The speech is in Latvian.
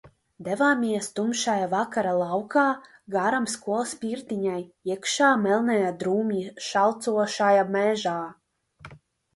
Devāmies tumšajā vakarā laukā, garām skolas pirtiņai, iekšā melnajā drūmi šalcošajā mežā.